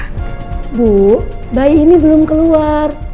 ibu bayi ini belum keluar